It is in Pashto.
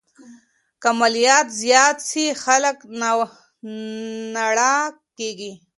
که مالیات زیات سي خلګ ناړه کیږي.